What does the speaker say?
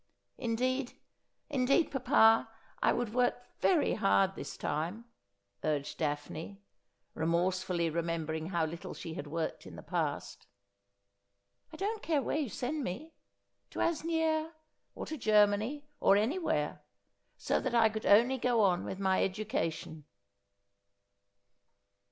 Indeed, indeed, papa, I would work very hard this time,' urged Daphne, remorsefully remembering how little she had worked in the past. ' I don't care where yon send me : to Asnieres, or to Germany, or anywhere : so that I could only go on with my education.'